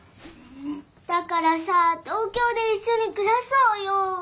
だからさ東京でいっしょにくらそうよ。